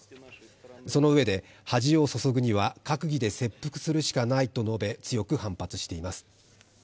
そのうえで恥をそそぐには閣議で切腹するしかないと述べ強く反発しています。